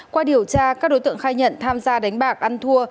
qua điều tra các đối tượng khai nhận tham gia đánh bạc ăn thua